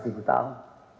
dua ratus ribu tahun